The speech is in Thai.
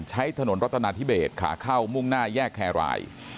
ใช้ถนนรัฐนาธิเบสขาเข้ามุ่งหน้าแยกแครราย